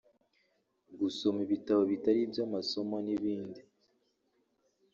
gusoma ibitabo bitari iby’amasomo n’ibindi